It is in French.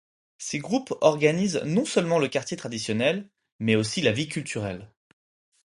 Ces groupes organisent non seulement le quartier traditionnel, mais aussi la vie culturelle.